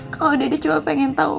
kalo dede cuma pengen tau